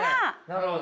なるほど。